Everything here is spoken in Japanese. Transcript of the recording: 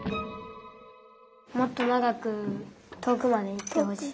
もっとながくとおくまでいってほしい。